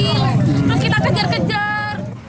terus kita kejar kejar